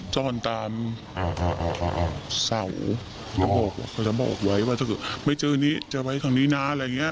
จ้อนตามเศร้าบอกว่าถ้าไม่เจอนี้จะไว้ทางนี้นะ